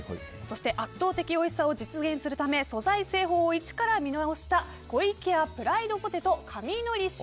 圧倒的おいしさを実現するため素材、製法を一から見直した湖池屋プライド